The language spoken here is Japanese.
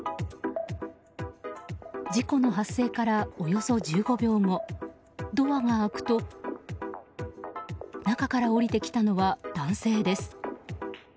事故の発生からおよそ１５秒後ドアが開くと中から降りてきたのは男性です。